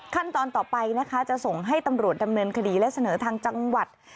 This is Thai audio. ขั้นตอนต่อไปนะคะจะส่งให้ตำรวจดำเนินคดีและเสนอทางจังหวัด